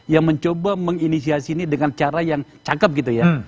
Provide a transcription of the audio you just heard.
yang mencoba menginisiasi ini dengan cara yang cakep gitu ya